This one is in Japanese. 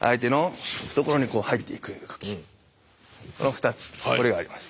この２つこれがあります。